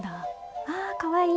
あかわいい！